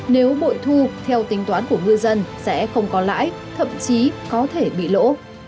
nếu bội thu theo tính toán của ngư dân sẽ không có lãi thậm chí có thể bị lỗ